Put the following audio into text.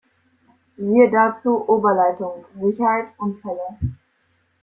Siehe dazu Oberleitung: Sicherheit, Unfälle.